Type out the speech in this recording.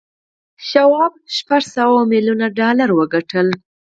شواب شپږ سوه میلیون ډالر وګټل